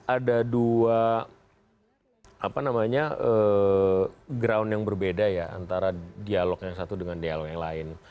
ada dua ground yang berbeda ya antara dialog yang satu dengan dialog yang lain